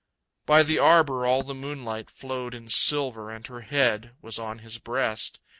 By the arbor all the moonlight flowed in silver And her head was on his breast.